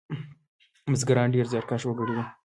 بزگران ډېر زیارکښ وگړي دي.